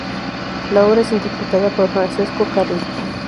La obra es interpretada por Francesco Carril.